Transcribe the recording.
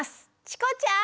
チコちゃん。